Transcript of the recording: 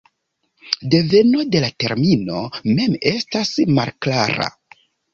Deveno de la termino mem estas malklara.